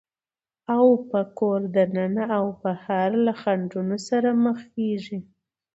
او په کوره دننه او بهر له خنډونو سره مخېږي،